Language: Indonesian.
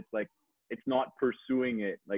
gue pikir itu bukan untuk mengejar